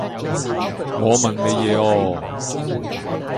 我問你啲嘢啊